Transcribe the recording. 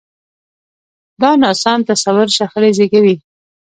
دا ناسم تصور شخړې زېږوي.